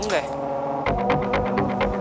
ini buat lo